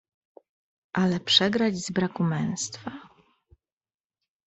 "Ale przegrać z braku męstwa?!"